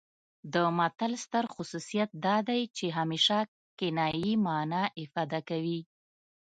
د متل ستر خصوصیت دا دی چې همیشه کنايي مانا افاده کوي